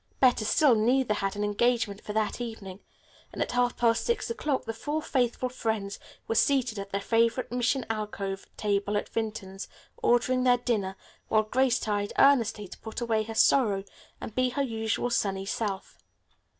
Better still, neither had an engagement for that evening, and at half past six o'clock the four faithful friends were seated at their favorite mission alcove table at Vinton's, ordering their dinner, while Grace tried earnestly to put away her sorrow and be her usual sunny self.